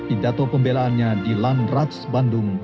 pidato pembelaannya di landrats bandung